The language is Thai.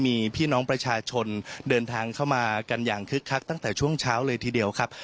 มีพี่น้องประชาชนเดินทางเข้ามากันอย่างคึกคักตั้งแต่ช่วงเช้าเลยทีเดียวครับ